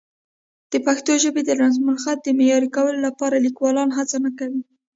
د پښتو ژبې د رسمالخط د معیاري کولو لپاره لیکوالان هڅه نه کوي.